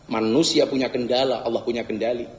manusia punya kendala allah punya kendali